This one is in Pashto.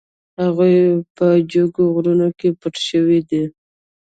هغوی په جګو غرونو کې پټ شوي دي.